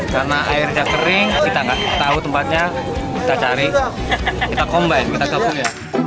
karena airnya kering kita gak tahu tempatnya kita cari kita combine kita gabung ya